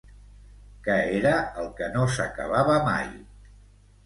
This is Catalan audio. Què era el que no s'acabava mai?